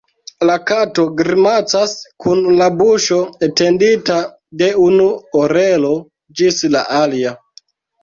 La kato grimacas kun la buŝo etendita de unu orelo ĝis la alia.